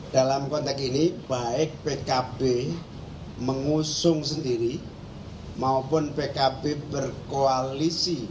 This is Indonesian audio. dalam konteks ini baik pkb mengusung sendiri maupun pkb berkoalisi dengan lain bagi bidang individual yang berkembang untuk pengajaran orang lain di indonesia